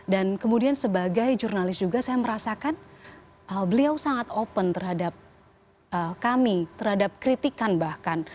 dan kemudian sebagai jurnalis juga saya merasakan beliau sangat open terhadap kami terhadap kritikan bahkan